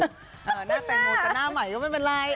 หน้าแตงโมแต่หน้าใหม่ก็ไม่เป็นไร